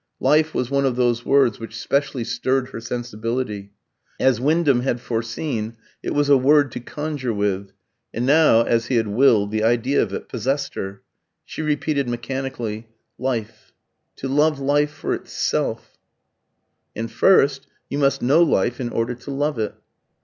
"Life" was one of those words which specially stirred her sensibility. As Wyndham had foreseen, it was a word to conjure with; and now, as he had willed, the idea of it possessed her. She repeated mechanically "Life to love life for itself " "And first you must know life in order to love it."